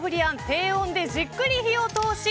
低温でじっくり火を通し